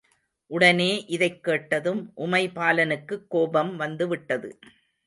உடனே இதைக்கேட்டதும் உமைபாலனுக்குக் கோபம் வந்துவிட்டது.